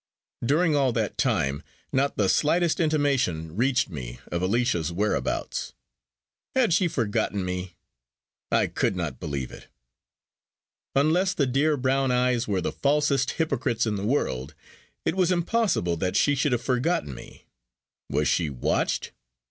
During all that time not the slightest intimation reached me of Alicia's whereabouts. Had she forgotten me? I could not believe it. Unless the dear brown eyes were the falsest hypocrites in the world, it was impossible that she should have forgotten me. Was she watched?